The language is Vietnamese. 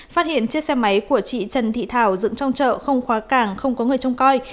phát hiện chiếc xe máy của chị trần thị thảo dựng trong chợ không khóa cảng không có người trông coi